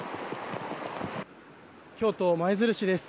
京都・舞鶴市です。